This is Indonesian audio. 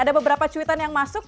ada beberapa cuitan yang masuk